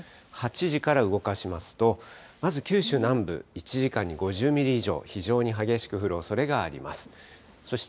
８時から動かしますと、まず九州南部、１時間に５０ミリ以上、非常に激しく降るおそれがあります。